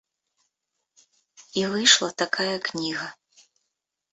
І выйшла такая кніга.